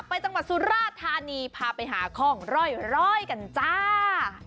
จังหวัดสุราธานีพาไปหาข้องร่อยกันจ้า